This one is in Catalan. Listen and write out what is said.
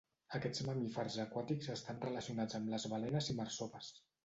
Aquests mamífers aquàtics estan relacionats amb les balenes i marsopes.